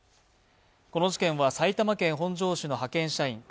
この事件は、埼玉県本庄市の派遣社員、